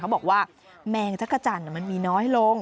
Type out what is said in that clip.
บอกว่าแมงจักรจันทร์มันมีน้อยลง